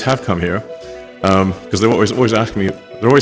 karena mereka selalu bertanya tentang alien